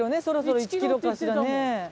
そろそろ１キロかしらね。